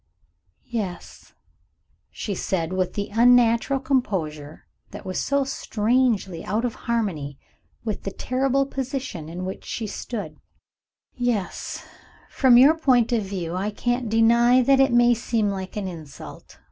"Yes," she said, with the unnatural composure that was so strangely out of harmony with the terrible position in which she stood "Yes, from your point of view, I can't deny that it may seem like an insult.